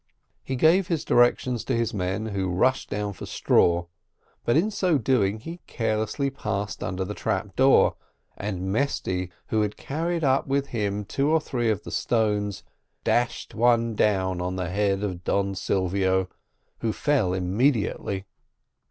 He gave his directions to his men, who rushed down for straw, but in so doing he carelessly passed under the trap door, and Mesty, who had carried up with him two or three of the stones, dashed one down on the head of Don Silvio, who fell immediately.